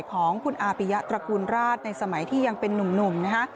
ของคุณอาปิยะตระกูลราชในสมัยที่ยังเป็นนุ่มนะฮะ